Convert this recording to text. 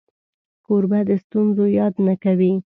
کوربه د ستونزو یاد نه کوي.